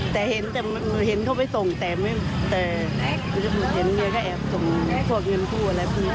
แต่เห็นเขาไปส่งแต่เห็นเมียก็แอบส่งส่วนเงินผู้อะไรเพราะงั้น